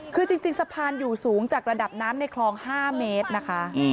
คือจริงสะพานอยู่สูงจากระดับน้ำในคลอง๕เมตรนะคะ